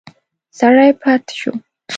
سړی پاتې شو.